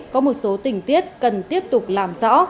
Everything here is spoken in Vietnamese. có một số tình tiết cần tiếp tục làm rõ